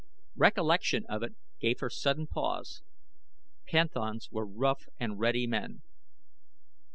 Recollection of it gave her sudden pause. Panthans were rough and ready men.